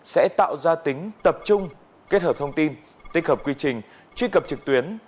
sẽ tạo ra tính tập trung kết hợp thông tin tích hợp quy trình truy cập trực tuyến